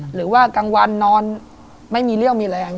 หรือว่ากลางวันนอนไม่มีเรี่ยวมีแรง